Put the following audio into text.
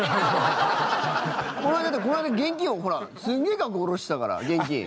この間現金をほらすげえ額下ろしてたから現金。